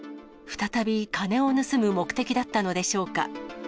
再び金を盗む目的だったのでしょうか。